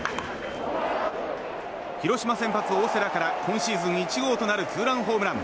広島先発、大瀬良から今シーズン１号となるツーランホームラン。